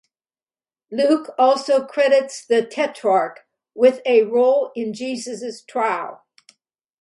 Luke also credits the tetrarch with a role in Jesus' trial.